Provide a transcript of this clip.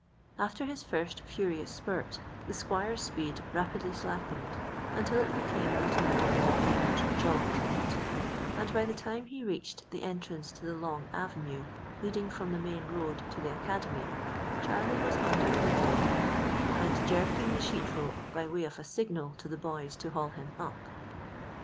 After his first furious spurt, the squire's speed rapidly slackened until it became little more than a laboured jog trot; and by the time he reached the entrance to the long avenue leading from the main road to the academy, Charlie was under the window and jerking the sheet rope by way of a signal to the boys to haul him up.